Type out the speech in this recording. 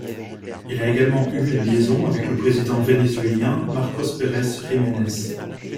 Elle a également eu une liaison avec le président vénézuélien Marcos Pérez Jiménez.